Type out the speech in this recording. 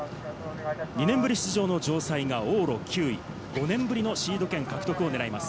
２年ぶり出場の城西が往路９位、４年ぶりのシード権獲得を狙います。